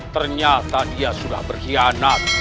ternyata dia sudah berkhianat